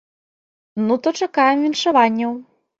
Ну то чакаем віншаванняў.